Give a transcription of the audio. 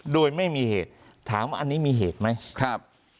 โดยไม่มีเหตุถามว่าอันนี้มีเหตุไหมครับ